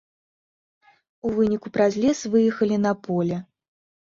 У выніку праз лес выехалі на поле.